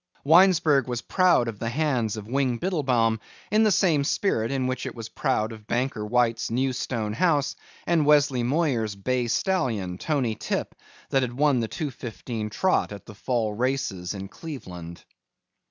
Winesburg was proud of the hands of Wing Biddlebaum in the same spirit in which it was proud of Banker White's new stone house and Wesley Moyer's bay stallion, Tony Tip, that had won the two fifteen trot at the fall races in Cleveland.